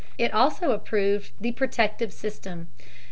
It also approved the protective system.